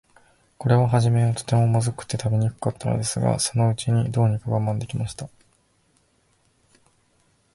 これははじめは、とても、まずくて食べにくかったのですが、そのうちに、どうにか我慢できました。